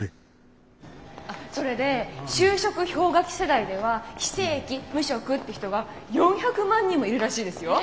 それで就職氷河期世代では非正規無職って人が４００万人もいるらしいですよ。